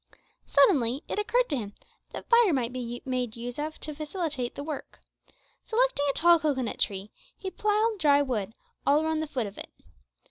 Suddenly it occurred to him that fire might be made use of to facilitate the work. Selecting a tall cocoanut tree, he piled dry wood all round the foot of it.